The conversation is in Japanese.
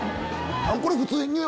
これ普通に。